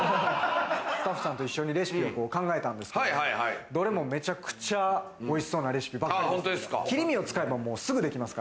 スタッフさんと一緒にレシピを考えたんですけど、どれもめちゃくちゃおいしそうなレシピばっかりです。